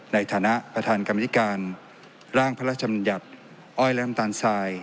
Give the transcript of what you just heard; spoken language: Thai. ในฐานะประธานกรรมธิการร่างพระราชมัญญัติอ้อยและน้ำตาลทราย